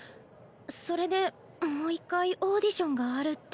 それでもう一回オーディションがあるって。